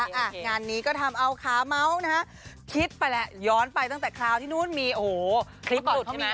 งานนี้ก็ทำเอาขามั๊วนะฮะคิดไปและย้อนไปตั้งแต่คราวที่โน้นมีโอ้หู